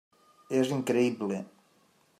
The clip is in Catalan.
És increïble!